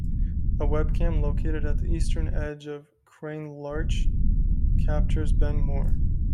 A webcam located at the eastern edge of Crianlarich captures Ben More.